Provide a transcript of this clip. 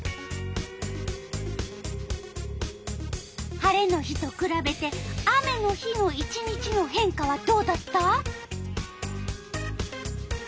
晴れの日とくらべて雨の日の１日の変化はどうだった？